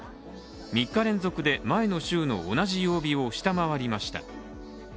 ３日連続で前の週の同じ曜日を下回りました。